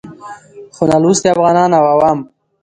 خو نالوستي افغانان او عوام